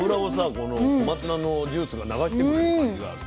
この小松菜のジュースが流してくれる感じがある。